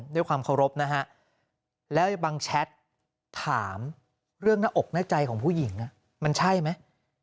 ด้วยความเคารพนะฮะแล้วบางแชทถามเรื่องหน้าอกหน้าใจของผู้หญิงมันใช่ไหม